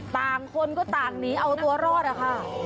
ต่างคนก็ต่างหนีเอาตัวรอดอะค่ะ